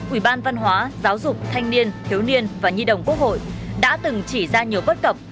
ủy ban văn hóa giáo dục thanh niên thiếu niên và nhi đồng quốc hội đã từng chỉ ra nhiều bất cập